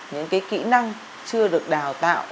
những kỹ năng chưa được đào tạo